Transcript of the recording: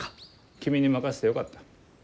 君に任せてよかった。